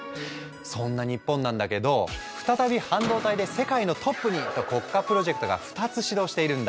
そんな日本なんだけど再び半導体で世界のトップに！と国家プロジェクトが２つ始動しているんだ。